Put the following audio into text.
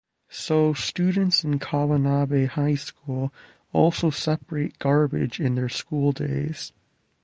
So students in Kawanabe high school also separate garbage in their school days.